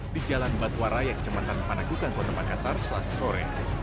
di jalan batu waraya kecematan panagukan kota makassar selasa sore